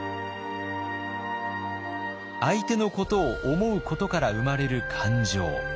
相手のことを思うことから生まれる感情。